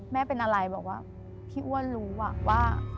แม่เป็นอะไรบอกว่าพี่อ้วนรู้ว่า